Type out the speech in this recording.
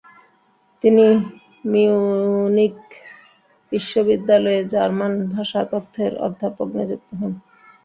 তিনি মিউনিখ বিশ্ববিদ্যালয়ে জার্মান ভাষাতত্ত্বের অধ্যাপক নিযুক্ত হন।